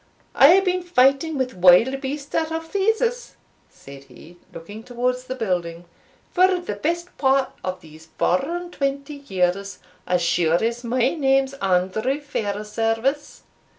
"I have been fighting with wild beasts at Ephesus," said he, looking towards the building, "for the best part of these four and twenty years, as sure as my name's Andrew Fairservice."